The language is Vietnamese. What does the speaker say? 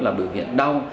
là biểu hiện đau